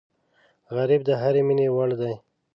غریب د هرې مینې وړ دی